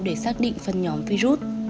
để xác định phần nhóm virus